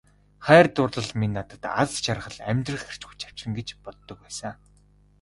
Хайр дурлал минь надад аз жаргал, амьдрах эрч хүч авчирна гэж боддог байсан.